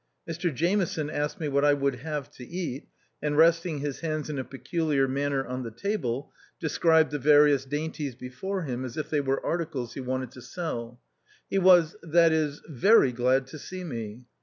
Mr Jameson asked me what I would have to eat, and resting his hands in a peculiar manner on the table, described THE OUTCAST. 73 the various dainties before him as if they were articles he wanted to sell. He was ... that is ... very glad to see me.